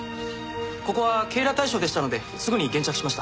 ここは警ら対象でしたのですぐに現着しました。